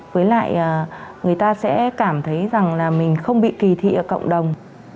với lại người ta sẽ cảm thấy rằng là mình không bị kỳ thị ở cộng đồng